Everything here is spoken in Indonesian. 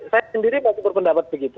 saya sendiri masih berpendapat begitu